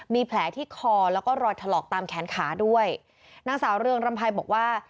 มีแผลที่คอแล้วก็รอยถลอกตามแขนขาด้วยนางสาวเรืองรำไพรบอกว่า